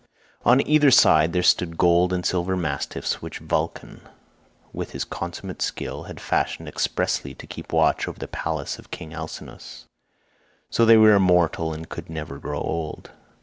On either side there stood gold and silver mastiffs which Vulcan, with his consummate skill, had fashioned expressly to keep watch over the palace of king Alcinous; so they were immortal and could never grow old.